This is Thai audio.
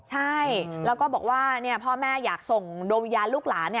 ใช่แล้วก็บอกว่าพ่อแม่อยากส่งดวงวิญญาณลูกหลาน